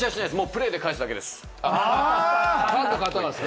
プレーで返すだけです。